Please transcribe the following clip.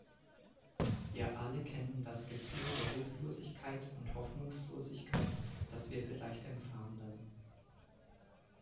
Wir alle kennen das Gefühl der Hilflosigkeit und Hoffnungslosigkeit, das wir vielleicht empfanden.